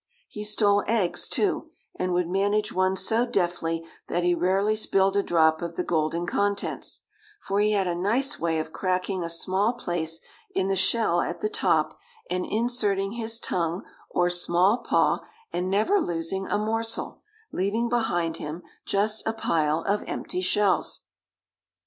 He stole eggs, too, and would manage one so deftly that he rarely spilled a drop of the golden contents, for he had a nice way of cracking a small place in the shell at the top, and inserting his tongue, or small paw, and never losing a morsel, leaving behind him just a pile of empty shells.